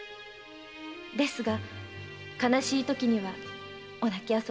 〔ですが悲しいときにはお泣き